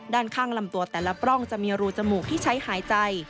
ด้านข้างลำตัวแต่ละปล้องจะมีรูจมูกที่ใช้หายใจ